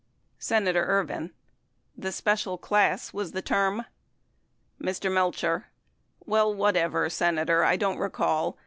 Senator Ervin. The special class was the term ? Mr. Melcher. Well, whatever, Senator. I don't recall.